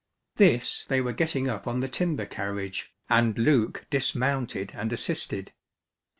This they were getting up on the timber carriage, and Luke dismounted and assisted.